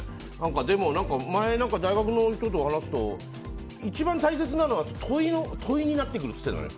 でも前、大学の人と話したら一番大切なのは問いになってくると言ってたね。